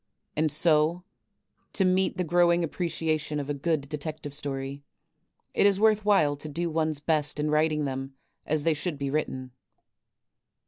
And so, to meet the growing appreciation of a good Detective Stor}*, it is worth while to do one's best in writing them as they should be ^Titten.